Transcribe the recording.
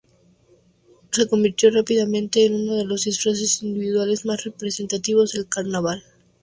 Se convirtió rápidamente en uno de los disfraces individuales más representativos del carnaval.